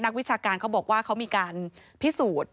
วิชาการเขาบอกว่าเขามีการพิสูจน์